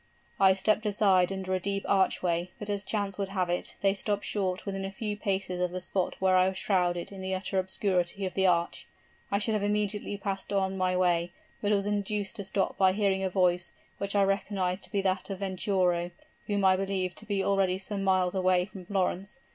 I stepped aside under a deep archway, but as chance would have it, they stopped short within a few paces of the spot where I was shrouded in the utter obscurity of the arch. I should have immediately passed on my way, but was induced to stop by hearing a voice which I recognized to be that of Venturo, whom I believed to be already some miles away from Florence.